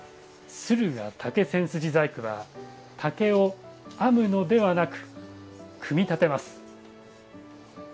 駿河竹千筋細工は竹を編むのではなく組み立てます。